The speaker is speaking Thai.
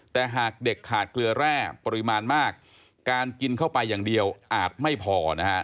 แต่หากเด็กขาดเกลือแร่ปริมาณมากการกินเข้าไปอย่างเดียวอาจไม่พอนะฮะ